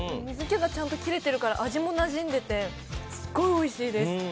水けがちゃんと切れてるから味もなじんでで、すっごいおいしいです。